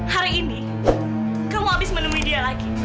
hari ini kamu habis menemui dia lagi